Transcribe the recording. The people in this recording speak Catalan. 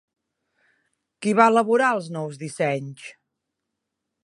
Qui va elaborar els nous dissenys?